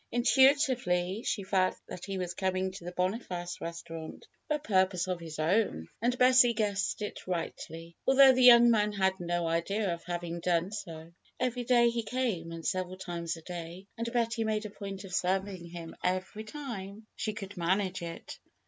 Intuitively she felt that he was coming to the Boniface restaurant for a purpose of his own, and Betty guessed it rightly, al though the young man had no idea of her having done so. Every day he came, and several times a day, and Betty made a point of serving him every time she FAITH je5^ could manage it.